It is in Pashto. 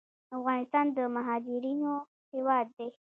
افغانستان د مهاجرینو هیواد دی